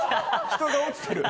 人が落ちてる。